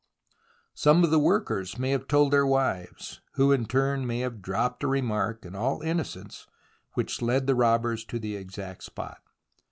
Some of the workers may have told their wives, who in turn may have dropped a remark in all innocence which led the robbers to the exact spot.